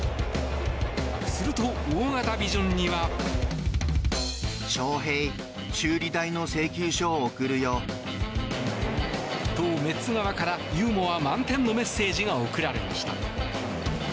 すると大型ビジョンには。と、メッツ側からユーモア満点のメッセージが送られました。